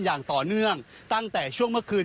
อย่างต่อเนื่องตั้งแต่ช่วงเมื่อคืน